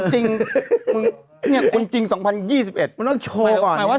จริงเนี้ยคนจริงสองพันยี่สิบเอ็ดมันต้องโชว์ก่อนหมายว่า